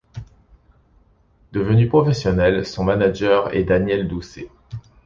Devenu professionnel, son manager est Daniel Dousset.